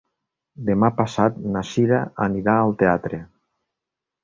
Demà passat na Sira anirà al teatre.